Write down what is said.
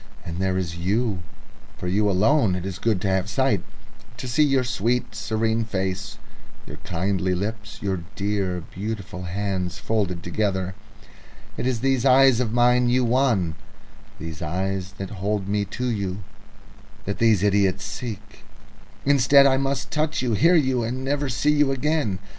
And there is you. For you alone it is good to have sight, to see your sweet, serene face, your kindly lips, your dear, beautiful hands folded together... It is these eyes of mine you won, these eyes that hold me to you, that these idiots seek. Instead, I must touch you, hear you, and never see you again.